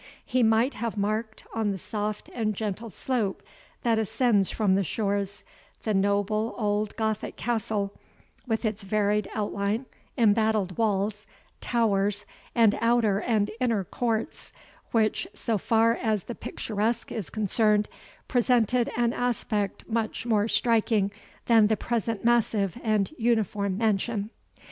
He might have marked, on the soft and gentle slope that ascends from the shores, the noble old Gothic castle, with its varied outline, embattled walls, towers, and outer and inner courts, which, so far as the picturesque is concerned, presented an aspect much more striking than the present massive and uniform mansion.